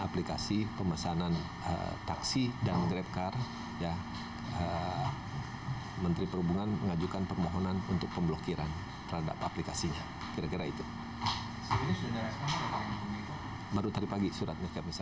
aplikasi pemesanan taksi dan grab car menteri perhubungan mengajukan permohonan untuk pemblokiran terhadap aplikasinya